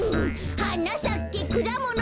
「はなさけくだもの」